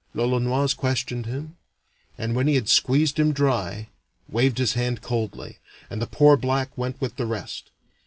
L'Olonoise questioned him, and when he had squeezed him dry, waved his hand coldly, and the poor black went with the rest.